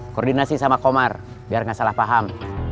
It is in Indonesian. koordinasi sama komar biar nggak salah paham